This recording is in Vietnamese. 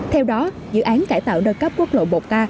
theo đó dự án cải tạo đơn cấp quốc lộ một k